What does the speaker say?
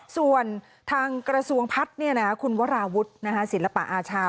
ส่วนทางกระทรวงพัฒน์คุณวราวุฒิศิลปะอาชา